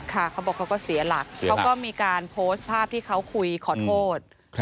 เขาบอกเขาก็เสียหลักเขาก็มีการโพสต์ภาพที่เขาคุยขอโทษ